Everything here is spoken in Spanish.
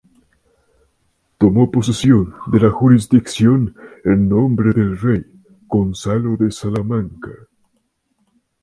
Tomó posesión de la Jurisdicción en nombre del rey, Gonzalo de Salamanca.